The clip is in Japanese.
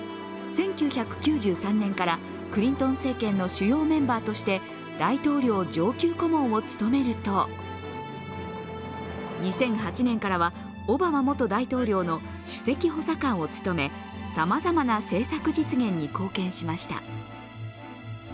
１９９３年から、クリントン政権の主要メンバーとして大統領上級顧問を務めると２００８年からはオバマ元大統領の首席補佐官を務めさまざまな政策実現に貢献しました。